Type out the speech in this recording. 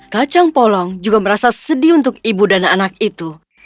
kacang polong juga merasa sedih untuk ibu dan anak itu